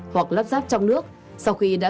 hoặc lắp ráp trong nước sau khi đã